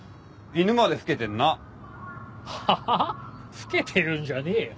老けてるんじゃねえよ。